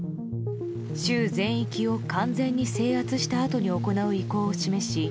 州全域を完全に制圧したあとに行う意向を示し